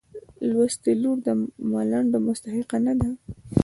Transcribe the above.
لوستې لور د ملنډو مستحقه نه ده.